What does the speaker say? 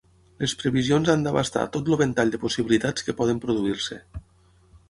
Les previsions han d'abastar tot el ventall de possibilitats que poden produir-se.